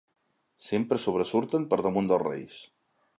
Sempre sobresurten per damunt dels reis.